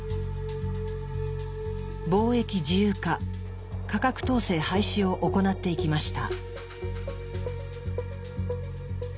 貿易自由化価格統制廃止を行っていきました。